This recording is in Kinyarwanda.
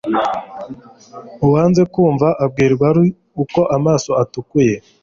uwanze kwumva abwirwa ari uko amaso atukuye